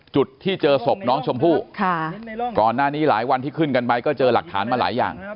จุดที่เจอศพน้องชมพู่ก่อนหน้านี้หลายวันที่ขึ้นกันไปก็เจอหลักฐานมาหลายอย่าง